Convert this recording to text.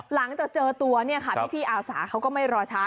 หลังจากเจอตัวเนี่ยค่ะพี่อาสาเขาก็ไม่รอช้า